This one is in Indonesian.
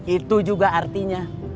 itu juga artinya